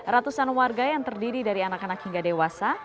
ratusan warga yang terdiri dari anak anak hingga dewasa